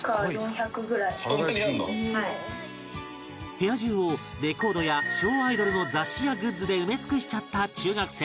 部屋中をレコードや昭和アイドルの雑誌やグッズで埋め尽くしちゃった中学生